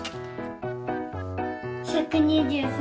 １２３。